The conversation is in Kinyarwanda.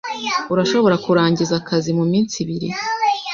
Urashobora kurangiza akazi muminsi ibiri?